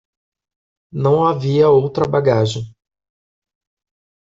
Não havia outra bagagem.